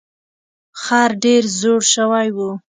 خر ډیر زوړ شوی و.